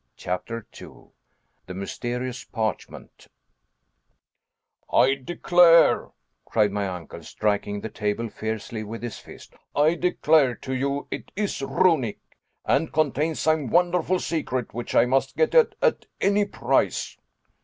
CHAPTER 2 THE MYSTERIOUS PARCHMENT [Illustration: Runic Glyphs] "I Declare," cried my uncle, striking the table fiercely with his fist, "I declare to you it is Runic and contains some wonderful secret, which I must get at, at any price."